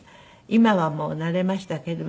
今はもう慣れましたけど。